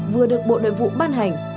vừa được bộ đội vụ bàn hành